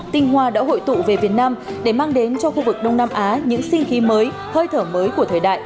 tinh hoa đã hội tụ về việt nam để mang đến cho khu vực đông nam á những sinh khí mới hơi thở mới của thời đại